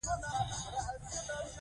هغه کتاب چې دروغ وي بايد ونه لوستل شي.